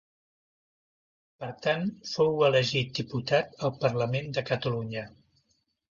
Per tant fou elegit diputat al Parlament de Catalunya.